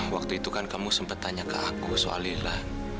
waktu itu kan kamu sempat tanya ke aku soal ilah